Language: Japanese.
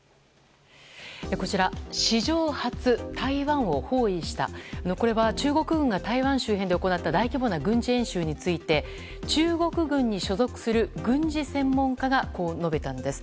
こちら、史上初台湾を包囲したこれは中国軍が台湾周辺で行った大規模な軍事演習について中国軍に所属する軍事専門家がこう述べたんです。